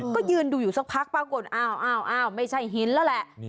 ก็ยืนดูอยู่สักพักปรากฏอ้าวไม่ใช่หินแล้วแหละ